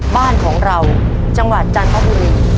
บ้านของเราจังหวัดจันทบุรี